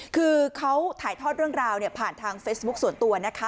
คือเขาถ่ายทอดเรื่องราวผ่านทางเฟซบุ๊คส่วนตัวนะคะ